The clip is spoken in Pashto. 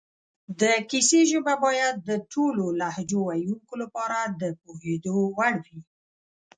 د کیسې ژبه باید د ټولو لهجو ویونکو لپاره د پوهېدو وړ وي